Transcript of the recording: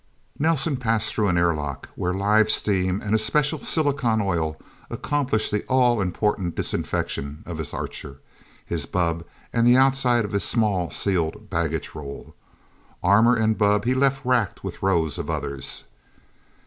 Nelsen passed through an airlock, where live steam and a special silicone oil accomplished the all important disinfection of his Archer, his bubb, and the outside of his small, sealed baggage roll. Armor and bubb he left racked with rows of others.